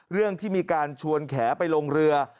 เรื่องที่มีการชวนแขไปลงเรือ